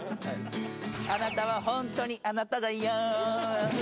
あなたはホントにあなただよ